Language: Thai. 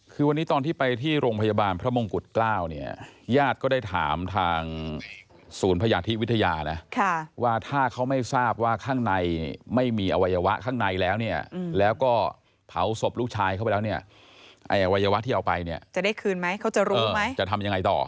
คือวันนี้ตอนที่ไปที่โรงพยาบาลพระมงกุฎเกล้าเนี่ยญาติก็ได้ถามทางศูนย์พยาธิวิทยานะ